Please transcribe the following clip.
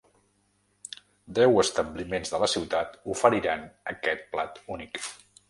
Deu establiments de la ciutat oferiran aquest plat únic.